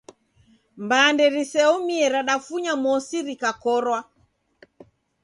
Mbande riseomie radafunya mosi rikakorwa.